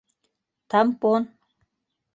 Тампон!